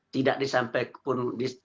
tidak disampaikan persis